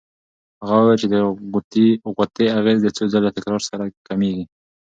هغه وویل چې د غوطې اغېز د څو ځله تکرار سره کمېږي.